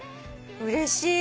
うれしい！